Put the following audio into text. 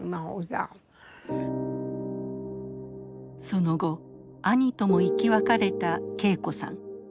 その後兄とも生き別れた桂子さん。